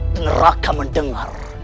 denger raka mendengar